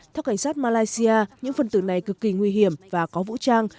theo cảnh sát malaysia những phần tử này cực kỳ nguy hiểm và có vũ trang